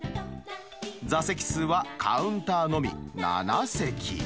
座席数はカウンターのみ７席。